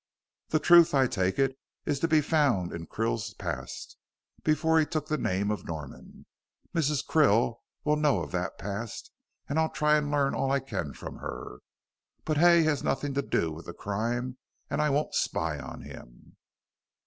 The truth, I take it, is to be found in Krill's past, before he took the name of Norman. Mrs. Krill will know of that past, and I'll try and learn all I can from her. But Hay has nothing to do with the crime, and I won't spy on him."